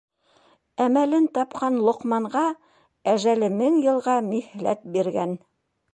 Әмәлен тапҡан Лоҡманға әжәле мең йылға миһләт биргән.